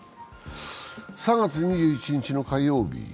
３月２１日の火曜日。